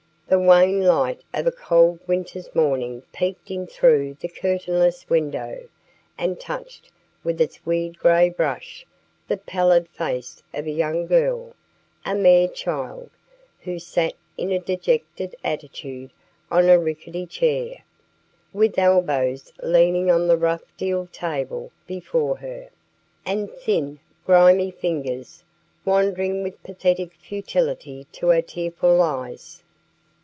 The wan light of a cold winter's morning peeped in through the curtainless window and touched with its weird grey brush the pallid face of a young girl a mere child who sat in a dejected attitude on a rickety chair, with elbows leaning on the rough deal table before her, and thin, grimy fingers wandering with pathetic futility to her tearful eyes.